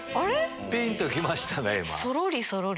ピンと来ましたね。